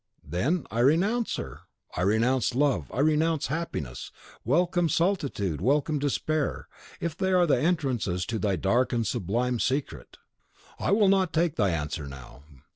"Then I renounce her? I renounce love. I renounce happiness. Welcome solitude, welcome despair; if they are the entrances to thy dark and sublime secret." "I will not take thy answer now.